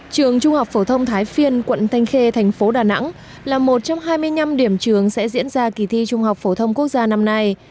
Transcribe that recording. trường trung học phổ thông thái phiên quận thanh khê thành phố đà nẵng là một trong hai mươi năm điểm trường sẽ diễn ra kỳ thi trung học phổ thông quốc gia năm nay